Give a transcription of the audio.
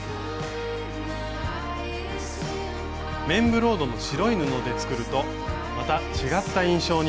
綿ブロードの白い布で作るとまた違った印象に。